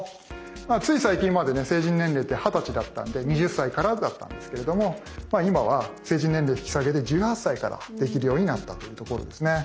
つい最近までね成人年齢って二十歳だったんで２０歳からだったんですけれども今は成人年齢引き下げで１８歳からできるようになったというところですね。